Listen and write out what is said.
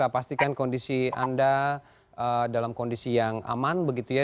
pastikan kondisi anda dalam kondisi yang aman begitu ya